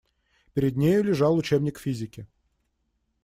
Перед нею лежал учебник физики.